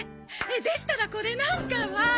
でしたらこれなんかは。